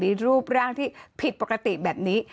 มีรูปร่างที่ผิดปกติแบบนี้